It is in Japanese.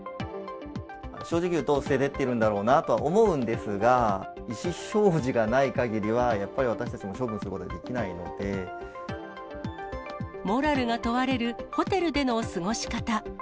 正直言うと、捨ててってるんだろうなとは思うんですが、意思表示がないかぎりは、やっぱり私たちも処分することができなモラルが問われるホテルでの過ごし方。